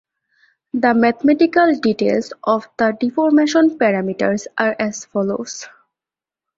The mathematical details of the deformation parameters are as follows.